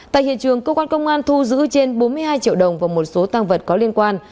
tại hiện trường cơ quan công an thu giữ trên bốn mươi hai triệu đồng và một số tăng vật có liên quan